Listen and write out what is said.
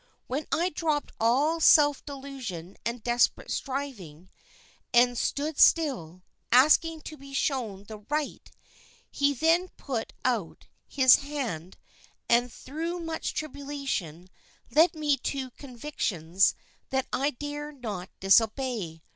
When I dropped all self delusion and desperate striving, and stood still, asking to be shown the right, then he put out his hand and through much tribulation led me to convictions that I dare not disobey.